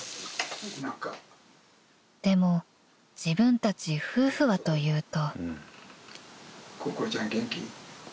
［でも自分たち夫婦はというと］